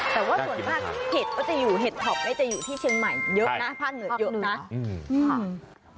แต่ว่าส่วนมากเห็ดก็จะอยู่เห็ดท็อปนี่จะอยู่ที่เชียงใหม่เยอะนะภาคเหนือเยอะนะ